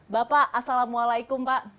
bapak assalamualaikum pak